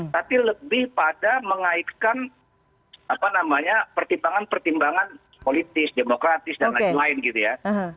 tapi lebih pada mengaitkan pertimbangan pertimbangan politis demokratis dan lain lain gitu ya